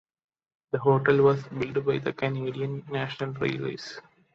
The hotel was built by the Canadian National Railways.